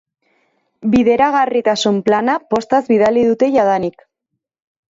Bideragarritasun plana postaz bidali dute jadanik.